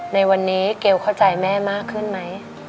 ในวันนี้เกลเข้าใจแม่มากขึ้นไหม